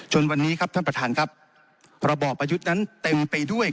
วันนี้ครับท่านประธานครับระบอบประยุทธ์นั้นเต็มไปด้วย